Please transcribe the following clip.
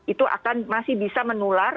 itu akan masih bisa menular